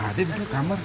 ada di kamar